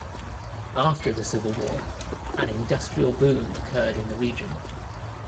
After the Civil War, an industrial boom occurred in the region.